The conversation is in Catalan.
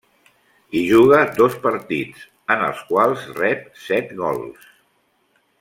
Hi juga dos partits, en els quals rep set gols.